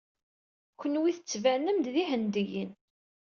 Kenwi tettbanem-d d Ihendiyen.